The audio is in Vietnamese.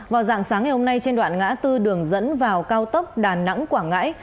vào dạng sáng ngày hôm nay trên đoạn ngã tư đường dẫn vào cao tốc đà nẵng quảng ngãi